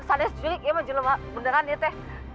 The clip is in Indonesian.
sanes cuyik emang jelemak beneran ya tee